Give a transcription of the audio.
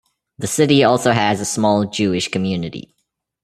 The city also has a small Jewish community.